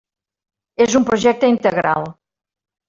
És un projecte integral.